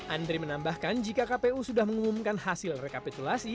andri menambahkan jika kpu sudah mengumumkan hasil rekapitulasi